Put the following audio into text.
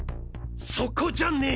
そこじゃねえ！！